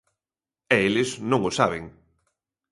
E eles non o saben.